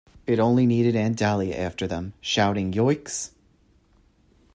It only needed Aunt Dahlia after them, shouting "Yoicks!"